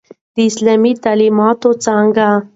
د اسلامی تعليماتو څانګه